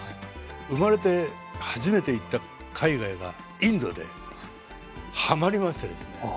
生まれて初めて行った海外がインドではまりましてですね。